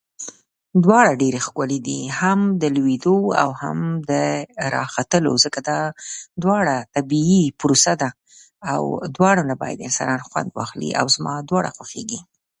که غواړې بريالی شې نو په خپلو پريکړو کې له حوصلې او تدبير څخه کار واخله